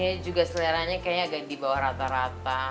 akhirnya juga seleranya kayaknya agak dibawah rata rata